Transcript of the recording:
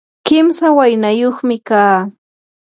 kimsa waynayuqmi kaa.